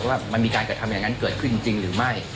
ว่ามันมีการกระทำอย่างนั้นเกิดขึ้นจริงหรือไม่